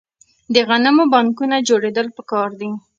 د غنمو بانکونه جوړیدل پکار دي.